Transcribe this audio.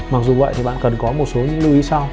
mặc dù vậy thì bạn cần có một số những lưu ý sau